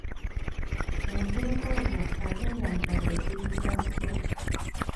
Ente enkovvu ate nga nkadde ziyitibwa zitya?